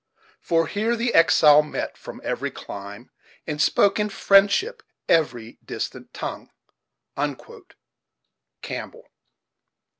"For here the exile met from every clime, And spoke, in friendship, every distant tongue." Campbell.